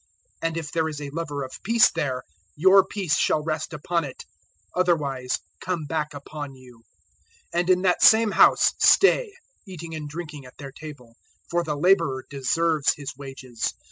010:006 And if there is a lover of peace there, your peace shall rest upon it; otherwise come back upon you. 010:007 And in that same house stay, eating and drinking at their table; for the labourer deserves his wages.